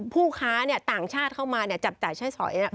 ผู้ค้าต่างชาติเข้ามาเนี่ยจับจ่ายใช้สอยเนี่ย